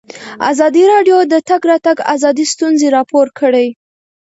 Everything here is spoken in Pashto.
ازادي راډیو د د تګ راتګ ازادي ستونزې راپور کړي.